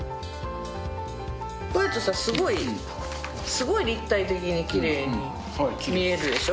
これだとさ、すごい立体的に、きれいに見えるでしょ。